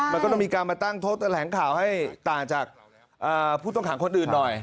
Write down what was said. มันก็ต้องมีการมาตั้งโต๊ะแถลงข่าวให้ต่างจากผู้ต้องขังคนอื่นหน่อย